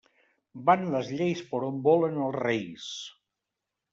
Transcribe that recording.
Van les lleis per on volen els reis.